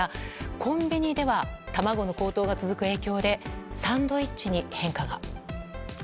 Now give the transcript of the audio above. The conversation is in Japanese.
コンビニでは卵の高騰が続く影響でサンドイッチに変化が。